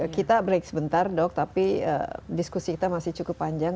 kita break sebentar dok tapi diskusi kita masih cukup panjang